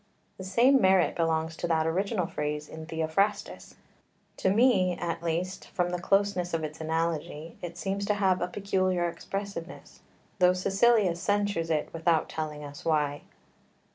The same merit belongs to that original phrase in Theophrastus; to me, at least, from the closeness of its analogy, it seems to have a peculiar expressiveness, though Caecilius censures it, without telling us why.